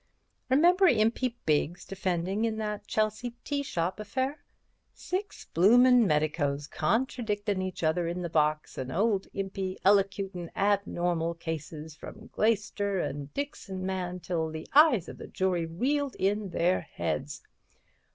Remember Impey Biggs defending in that Chelsea tea shop affair? Six bloomin' medicos contradictin' each other in the box, an' old Impey elocutin' abnormal cases from Glaister and Dixon Mann till the eyes of the jury reeled in their heads!